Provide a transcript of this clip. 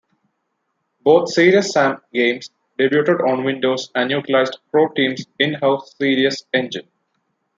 Both "Serious Sam" games debuted on Windows and utilized Croteam's in-house Serious Engine.